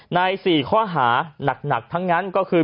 ใน๔ข้อหานักทั้งนั้นก็คือ